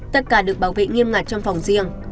tất cả được bảo vệ nghiêm ngặt trong phòng riêng